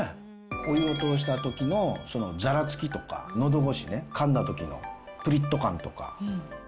お湯を通したときのざらつきとかのどごしね、かんだときのぷりっと感とか。